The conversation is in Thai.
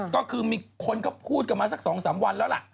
ก็คือมีคนเขาพูดกันมาสัก๒๓วันแล้วล่ะ